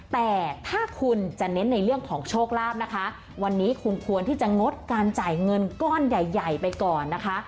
แต่ถ้าคุณจะเน้นในเรื่องของโชคลาภนะคะวันนี้คุณควรที่จะงดการจ่ายเงินก้อนใหญ่ใหญ่ไปก่อนนะคะ